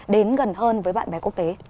đến gần hơn với bạn bè quốc tế